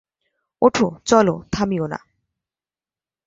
ওঠ, চল, থামিও না।